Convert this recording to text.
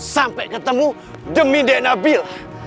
sampai ketemu demi dek nabil